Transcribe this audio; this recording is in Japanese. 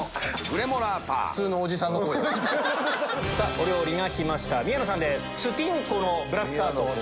お料理がきました宮野さんです。